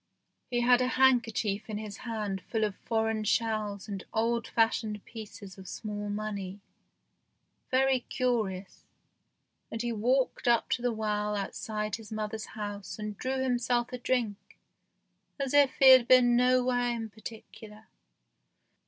He had a handkerchief in his hand full of foreign shells and old fashioned pieces of small money, very curious, and he walked up to the well outside his mother's house and drew himself a drink as if he had been nowhere in particular.